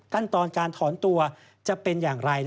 ขั้นตอนการถอนตัวจะเป็นอย่างไร